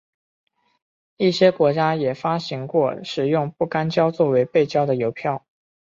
一些国家也发行过使用不干胶作为背胶的邮票。